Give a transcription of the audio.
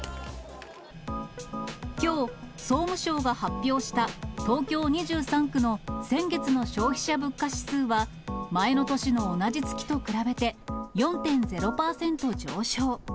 きょう、総務省が発表した、東京２３区の先月の消費者物価指数は、前の年の同じ月と比べて４．０％上昇。